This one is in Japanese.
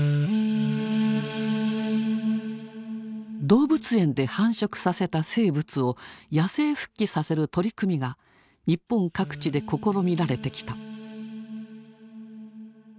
動物園で繁殖させた生物を野生復帰させる取り組みが日本各地で試みられてきた。